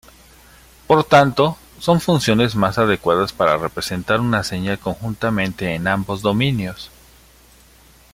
Por tanto, son funciones más adecuadas para representar una señal conjuntamente en ambos dominios.